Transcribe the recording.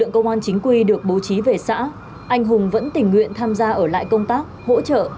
công an chính quy được bố trí về xã anh hùng vẫn tình nguyện tham gia ở lại công tác hỗ trợ